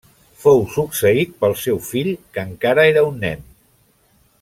Fou succeït pel seu fill, que encara era un nen.